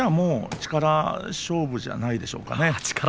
力勝負じゃないでしょうか。